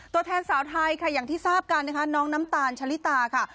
ตัวแทนสาวไทยค่ะอย่างที่ทราบกันนะคะน้องน้ำตาลชะลิตาค่ะ